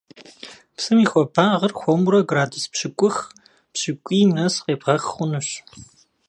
Псым и хуабагъыр хуэмурэ градус пщыкӀух – пщыкӀуийм нэс къебгъэх хъунущ.